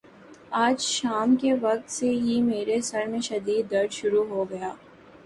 آج شام کے وقت سے ہی میرے سر میں شدد درد شروع ہو گیا۔